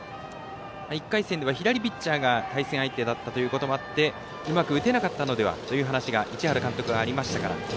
１回戦では左ピッチャーが対戦相手だったということもあってうまく打てなかったのではと話が市原監督からありました。